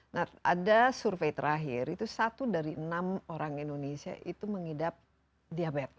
nah ada survei terakhir itu satu dari enam orang indonesia itu mengidap diabetes